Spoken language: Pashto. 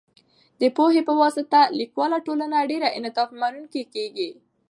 د پوهې په واسطه، کلیواله ټولنه ډیر انعطاف منونکې کېږي.